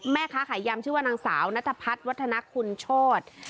แม่ค้าขายยำชื่อว่านางสาวนัทพัฒน์วัฒนคุณโชธ